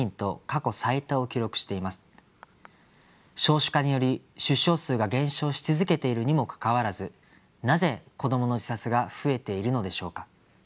少子化により出生数が減少し続けているにもかかわらずなぜ子どもの自殺が増えているのでしょうか。